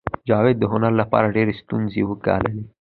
جاوید د هنر لپاره ډېرې ستونزې وګاللې